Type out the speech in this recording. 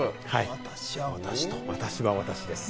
私は私です。